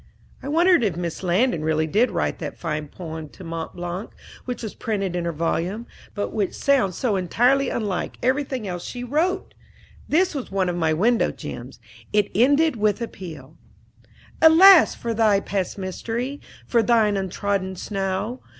I wonder if Miss Landon really did write that fine poem to Mont Blanc which was printed in her volume, but which sounds so entirely unlike everything else she wrote! This was one of my window gems. It ended with the appeal, "Alas for thy past mystery! For thine untrodden snow!